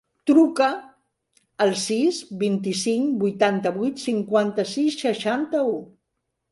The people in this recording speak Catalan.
Truca al sis, vint-i-cinc, vuitanta-vuit, cinquanta-sis, seixanta-u.